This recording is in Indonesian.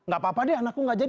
gak apa apa deh anakku gak jadi